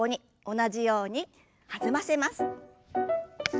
同じように弾ませます。